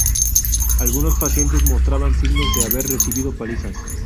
Algunos pacientes mostraban signos de haber recibido palizas.